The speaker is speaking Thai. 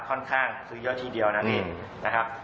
ค่อนข้างซื้อเยอะทีเดียวนะพี่นะครับ